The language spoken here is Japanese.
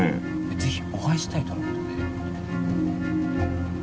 ぜひお会いしたいとのことで。